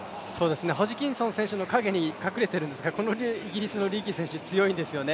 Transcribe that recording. ホジキンソン選手の陰に隠れているんですが、このイギリスのリーキー選手強いんですよね。